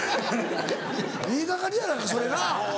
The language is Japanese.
言い掛かりやないかそれな。